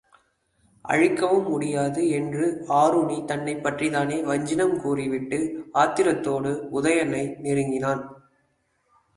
அழிக்கவும் முடியாது! என்று ஆருணி தன்னைப் பற்றித் தானே வஞ்சினங் கூறிவிட்டு ஆத்திரத்தோடு உதயணனை நெருங்கினான்.